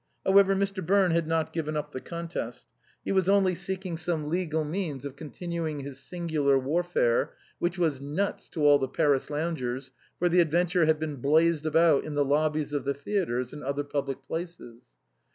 However, Mr. Birne had not given up the contest: he was only seeking some legal means of continuing this singular warfare, which was " nuts " to all the Paris loungers, for the adventure had been blazed about in the lobbies of the theatres and other public places.